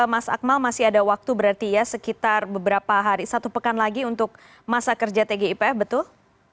mas akmal masih ada waktu berarti ya sekitar beberapa hari satu pekan lagi untuk masa kerja tgipf betul